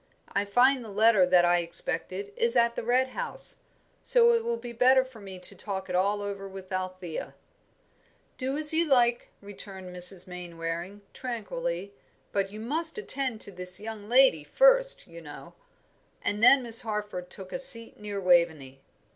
I find the letter that I expected is at the Red House, so it will be better for me to talk it all over with Althea." "Do as you like, Doreen," returned Mrs. Mainwaring, tranquilly; "but you must attend to this young lady first, you know;" and then Miss Harford took a seat near Waveney.